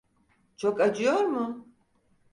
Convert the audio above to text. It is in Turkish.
Çok acıyor mu?